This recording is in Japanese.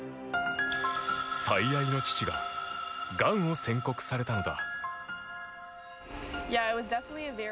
最愛の父ががんを宣告されたのだ。